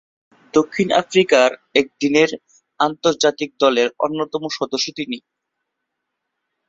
দক্ষিণ আফ্রিকার একদিনের আন্তর্জাতিক দলের অন্যতম সদস্য তিনি।